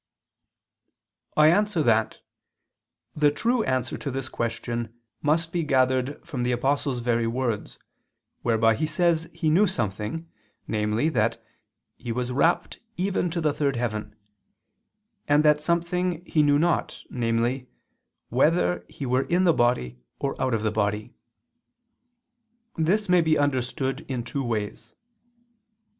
I answer that, The true answer to this question must be gathered from the Apostle's very words, whereby he says he knew something, namely that he was "rapt even to the third heaven," and that something he knew not, namely "whether" he were "in the body or out of the body." This may be understood in two ways.